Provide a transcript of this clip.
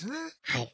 はい。